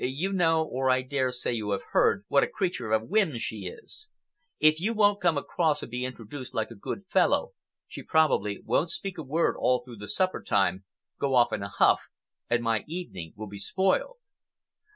"You know, or I dare say you have heard, what a creature of whims she is. If you won't come across and be introduced like a good fellow, she probably won't speak a word all through supper time, go off in a huff, and my evening will be spoiled."